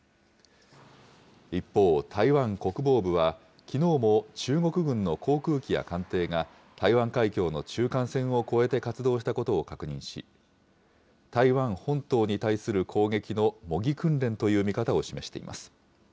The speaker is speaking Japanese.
一方、台湾国防部は、きのうも中国軍の航空機や艦艇が台湾海峡の中間線を越えて活動したことを確認し、台湾本島に対する攻撃の模擬訓練という見方を示しています。